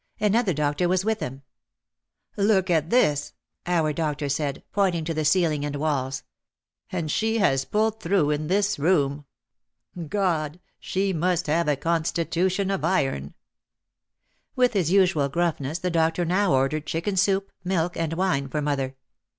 Another doctor was with him. "Look at this," our doctor said, pointing to the ceiling and walls. "And she has pulled through in this room. God! but she must have a con stitution of iron!" With his usual gruffness the doctor now ordered chicken soup, milk and wine for mother.